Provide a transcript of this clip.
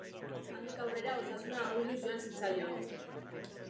Handik aurrera osasuna ahulduz joan zitzaion.